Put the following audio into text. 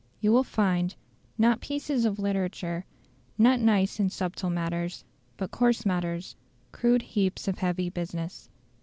You will find, not pieces of literature, not nice and subtle matters, but coarse matters, crude heaps of heavy business.